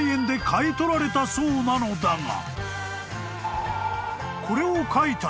買い取られたそうなのだが］